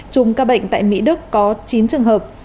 chùm ca bệnh tại mỹ đức có chín trường hợp